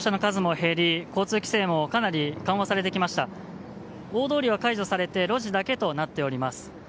大通りは解除されて路地だけとなっております。